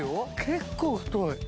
結構太い！